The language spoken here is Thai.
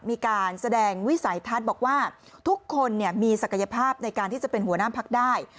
มีการแสดงวิสัยทัศน์บอกว่าทุกคนมีศักยภาพในการที่จะเป็นหัวหน้าพักได้